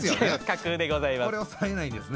架空でございます。